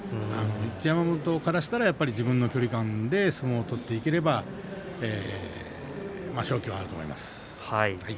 一山本からしたら、やっぱり自分の距離感で相撲を取っていければ勝機はあると思います。